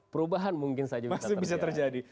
perubahan mungkin saja masih bisa terjadi